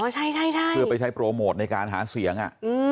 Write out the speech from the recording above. อ๋อใช่ใช่ใช่จะไปใช้โปรโมตในการหาเสียงอ่ะ